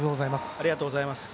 ありがとうございます。